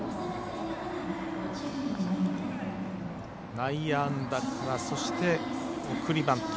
内野安打からそして、送りバント。